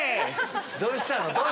どうしたの？